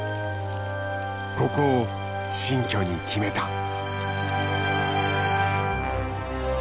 ここを新居に決めた。